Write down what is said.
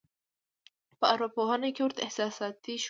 په اروا پوهنه کې ورته احساساتي شور وایي.